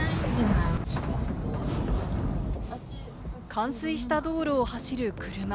冠水した道路を走る車。